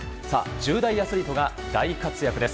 １０代アスリートが大活躍です。